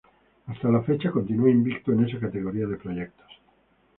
Hasta la fecha continua invicto en esa categoría de proyectos.